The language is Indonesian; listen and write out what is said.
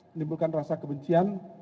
menimbulkan rasa kebencian